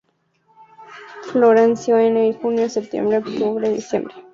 Floración ene.-jun., sep.-oct., dic.